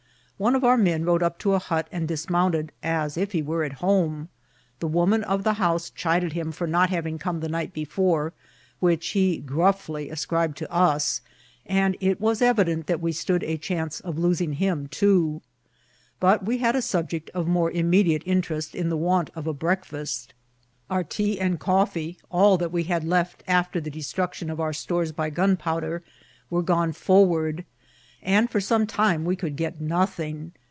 One of our men rode up to a hut and dismounted, as if he were at home. The woman of the house chided him for not having come the night before, which he gruffly ascribed to us; and it was evident that we stood a chance of losing him too. But we had a subject of more immediate interest in the want of a breakfast. Our tea and coffee, all that we had left after the de struction of our stores by gunpowder, were gone for ward, and for some time we could get nothing.